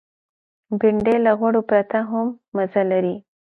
بېنډۍ له غوړو پرته هم مزه لري